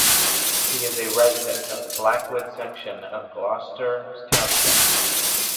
He is a resident of the Blackwood section of Gloucester Township.